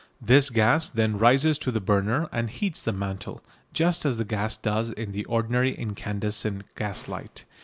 This gas then rises to the burner and heats the mantle, just as the gas does in the ordinary incandescent gas light.